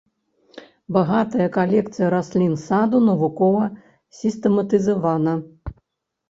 Багатая калекцыя раслін саду навукова сістэматызавана.